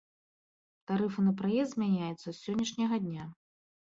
Тарыфы на праезд змяняюцца з сённяшняга дня.